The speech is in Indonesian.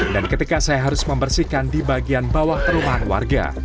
dan ketika saya harus membersihkan di bagian bawah perumahan warga